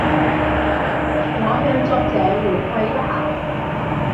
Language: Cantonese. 我向作者回饋一下